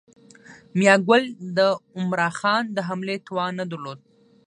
میاګل د عمرا خان د حملې توان نه درلود.